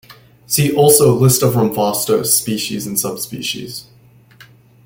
See also List of Ramphastos species and subspecies.